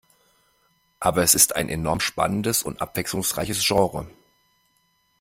Aber es ist ein enorm spannendes und abwechslungsreiches Genre.